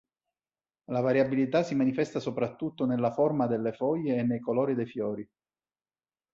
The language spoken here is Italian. La variabilità si manifesta soprattutto nella forma delle foglie e nei colori dei fiori.